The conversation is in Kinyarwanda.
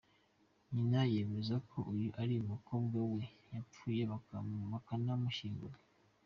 Nyina yemeza ko uyu ari umukobwa we wapfuye bakanamushyingura.